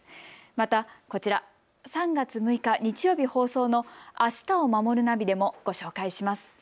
また、こちら、３月６日日曜日放送の明日をまもるナビでもご紹介します。